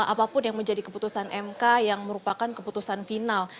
apapun yang menjadi keputusan mk yang merupakan keputusan final